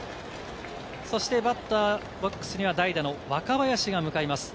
バッターボックスには代打の若林が向かいます。